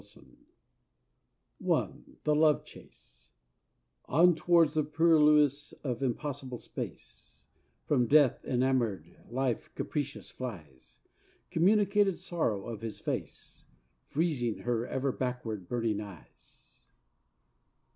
QUATRAINS I The Love Chase On, towards the purlieus of impossible space, From Death, enamoured, Life, capricious, flies: Communicated sorrow of his face Freezing her ever backward burning eyes.